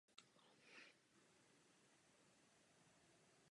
Hlavním městem gubernie byl Jerevan.